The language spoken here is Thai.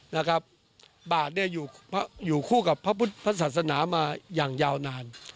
นะครับบาทเนี่ยอยู่คู่กับพระพุทธศาสนามาอย่างยาวนาน